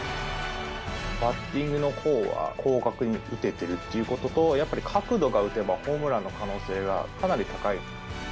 バッティングのほうは広角に打ててるっていうことと、やっぱり角度があれば、ホームランの可能性がかなり高い。